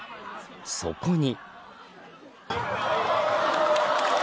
そこに。